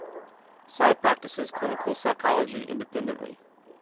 Tsai practices clinical psychology independently.